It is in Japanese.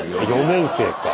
４年生か。